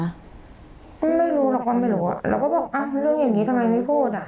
ไม่รู้เราก็ไม่รู้อ่ะเราก็บอกอ่ะเรื่องอย่างนี้ทำไมไม่พูดอ่ะ